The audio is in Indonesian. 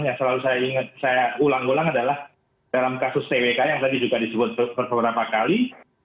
yang selalu saya ulang ulang adalah dalam kasus twk yang tadi juga disebut beberapa kali